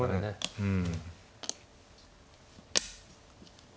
うん。